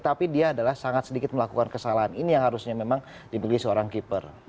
tapi dia adalah sangat sedikit melakukan kesalahan ini yang harusnya memang dibeli seorang keeper